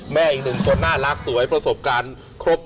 อีกหนึ่งคนน่ารักสวยประสบการณ์ครบ